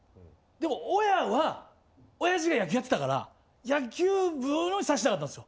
でも親は親父が野球やってたから野球部にさしたかったんですよ。